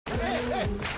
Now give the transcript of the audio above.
はい！